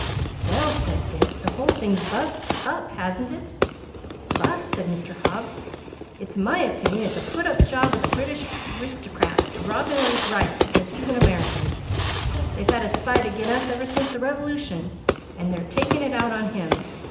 "Well," said Dick, "the whole thing's bust up, hasn't it?" "Bust!" said Mr. Hobbs. "It's my opinion it's a put up job o' the British ristycrats to rob him of his rights because he's an American. They've had a spite agin us ever since the Revolution, an' they're takin' it out on him.